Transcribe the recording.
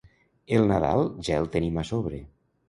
El Nadal ja el tenim a sobre.